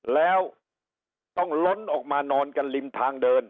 แล้วต้องล้นออกมานอนกันริมทางเดิน